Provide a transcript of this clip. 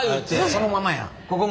そのままや。